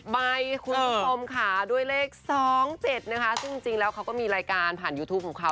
ใบคุณผู้ชมค่ะด้วยเลข๒๗นะคะซึ่งจริงแล้วเขาก็มีรายการผ่านยูทูปของเขา